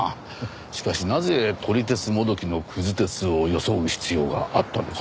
しかしなぜ撮り鉄もどきのクズ鉄を装う必要があったのか。